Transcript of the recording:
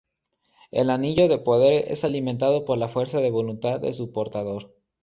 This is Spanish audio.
El anillo de poder es alimentado por la fuerza de voluntad de su portador.